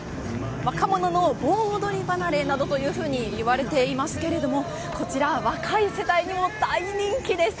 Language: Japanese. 若者の盆踊り離れなどと言われていますけれどもこちらは若い世代にも大人気です。